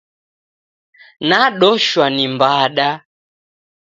Nadoshwa ni mbada.